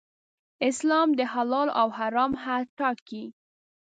اسلام د حلال او حرام حد ټاکي.